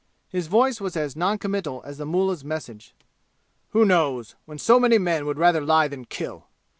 His voice was as non committal as the mullah's message. "Who knows, when so many men would rather lie than kill?